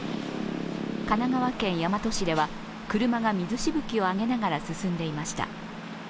神奈川県大和市では車が水しぶきを上げながら進んでいました。